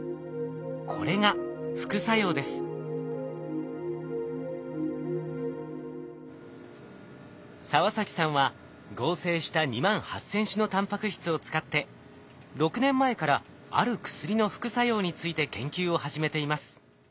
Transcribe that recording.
これが澤崎さんは合成した２万８，０００種のタンパク質を使って６年前からある薬の副作用について研究を始めています。